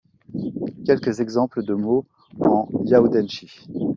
Quelques exemples de mots en yawdanchi.